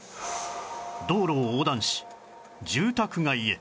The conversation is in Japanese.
道路を横断し住宅街へ